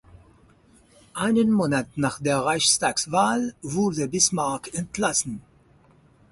Einen Monat nach der Reichstagswahl wurde Bismarck entlassen.